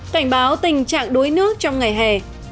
cảnh báo tình trạng đuối nước trong ngày hè